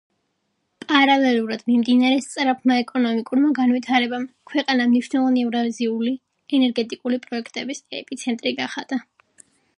პარალელურად მიმდინარე სწრაფმა ეკონომიკურმა განვითარებამ ქვეყანა მნიშვნელოვანი ევრაზიული ენერგეტიკული პროექტების ეპიცენტრი გახადა.